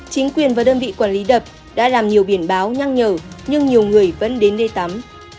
chính quyền và đơn vị quản lý đập đã làm nhiều biển báo nhắc nhở nhưng nhiều người vẫn đến đây tắm